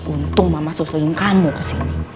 untung mama seseling kamu kesini